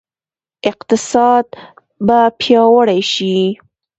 اقتصاد به پیاوړی شي؟